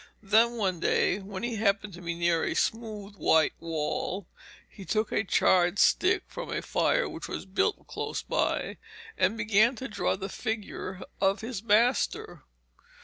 Then one day when he happened to be near a smooth white wall, he took a charred stick from a fire which was built close by, and began to draw the figure of his master.